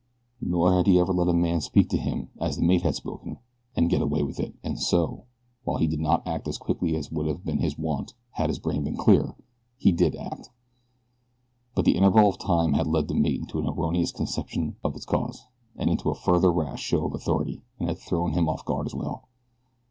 Nor had he ever let a man speak to him, as the mate had spoken, and get away with it, and so, while he did not act as quickly as would have been his wont had his brain been clear, he did act; but the interval of time had led the mate into an erroneous conception of its cause, and into a further rash show of authority, and had thrown him off his guard as well.